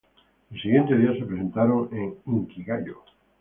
El siguiente día se presentaron en Inkigayo.